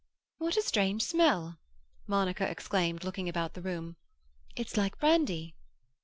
"What a strange smell!" Monica exclaimed, looking about the room. "It's like brandy."